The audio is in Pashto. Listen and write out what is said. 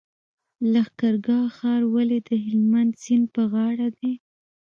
لښکرګاه ښار ولې د هلمند سیند په غاړه دی؟